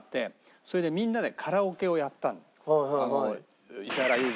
それでみんなでカラオケをやったの。